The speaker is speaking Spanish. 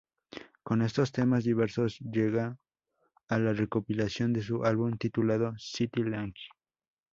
Con estos temas diversos llegó a la recopilación de su álbum titulado "City Light".